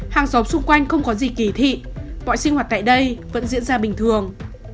hàng xóm xung quanh không có gì kỳ thị mọi sinh hoạt tại đây vẫn diễn ra bình thường